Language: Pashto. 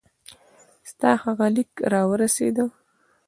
ستا هغه لیک را ورسېدی.